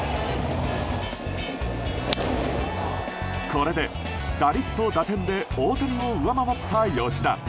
これで打率と打点で大谷を上回った吉田。